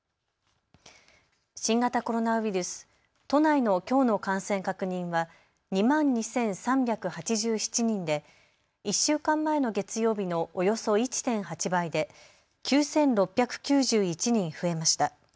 新型コロナウイルス、都内のきょうの感染確認は２万２３８７人で１週間前の月曜日のおよそ１．８倍で９６９１人増えました。